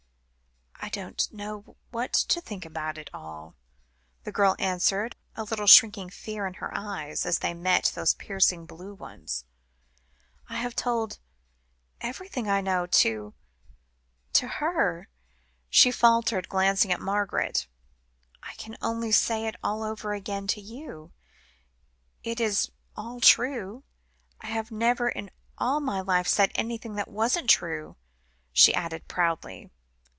"I don't know what to think about it all," the girl answered, a little shrinking fear in her eyes, as they met those piercing blue ones. "I have told everything I know to to her," she faltered, glancing at Margaret. "I can only say it all over again to you. It is all true. I have never in all my life said anything that wasn't true," she added proudly.